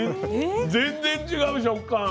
全然違う食感。